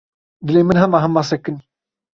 Dilê min hema hema sekinî.